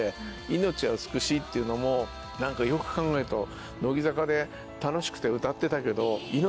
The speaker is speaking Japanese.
『命は美しい』っていうのも何かよく考えると乃木坂で楽しくて歌ってたけど。